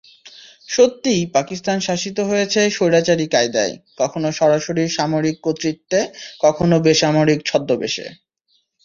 সত্যিই পাকিস্তান শাসিত হয়েছে স্বৈরাচারী কায়দায়—কখনো সরাসরি সামরিক কর্তৃত্বে, কখনো বেসামরিক ছদ্মবেশে।